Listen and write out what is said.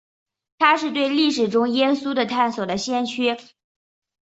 他是对历史中耶稣的探索的先驱。